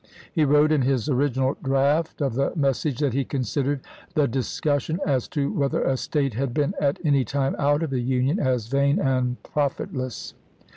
He wrote in his Diary, original draft of the message that he considered " the discussion as to whether a State had been at any time out of the Union as vain and profitless.